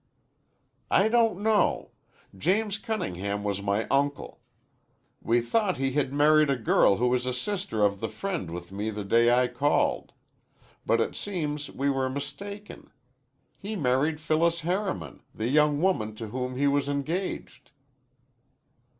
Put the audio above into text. "I don't know. James Cunningham was my uncle. We thought he had married a girl who is a sister of the friend with me the day I called. But it seems we were mistaken. He married Phyllis Harriman, the young woman to whom he was engaged."